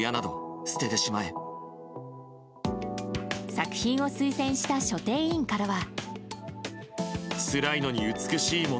作品を推薦した書店員からは。